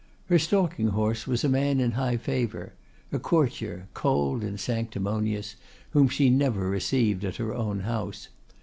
"Her stalking horse was a man in high favor, a courtier, cold and sanctimonious, whom she never received at her own house.